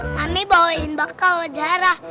mami bawain bekal zara